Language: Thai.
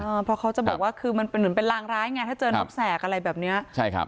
เพราะเขาจะบอกว่าคือมันเป็นเหมือนเป็นรางร้ายไงถ้าเจอนกแสกอะไรแบบเนี้ยใช่ครับ